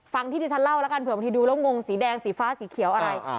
ฟังที่ที่ฉันเล่าแล้วกันเผื่อบางทีดูแล้วงงสีแดงสีฟ้าสีเขียวอะไร